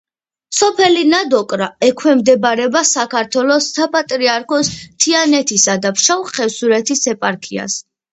სოფელი ნადოკრა ექვემდებარება საქართველოს საპატრიარქოს თიანეთისა და ფშავ-ხევსურეთის ეპარქიას.